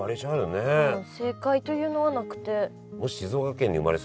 正解というのはなくて。